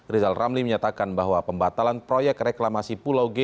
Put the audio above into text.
rizal ramli menyatakan bahwa pembatalan proyek reklamasi pulau g